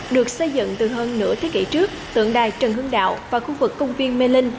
được xây dựng từ hơn nửa thế kỷ trước tượng đài trần hương đạo và khu vực công viên mê linh